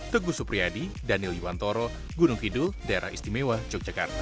teguh supriyadi daniel yuwantoro gunung kidul daerah istimewa yogyakarta